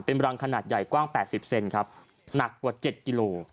เป็นหลังขนาดใหญ่กว้างแปดสิบเซนครับหนักกว่าเจ็ดกิโล